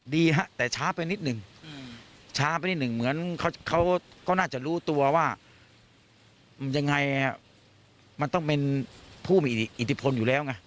ดีฮะแต่ช้าไปนิดนึงช้าไปนิดหนึ่งเหมือนเขาก็น่าจะรู้ตัวว่ายังไงมันต้องเป็นผู้มีอิทธิพลอยู่แล้วไง